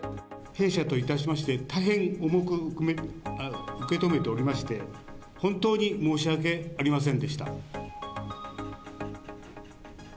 弊社といたしまして、大変重く受け止めておりまして、本当に申し訳ありませんでした。